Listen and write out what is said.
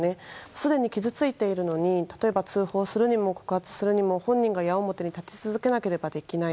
すでに傷ついているのに例えば通報するにも告発するにも、本人が矢面に立ち続けなければできない。